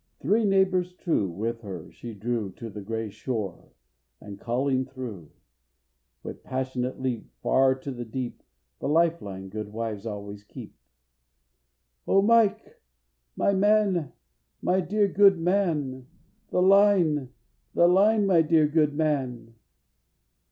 Three neighbors true with her she drew To the grey shore, and, calling, threw, With passionate leap, far to the deep, The life line good wives always keep "O Mike, my man, my dear good man! The line, the line, my dear good man!"